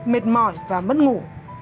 mệt mỏi và mất ngủ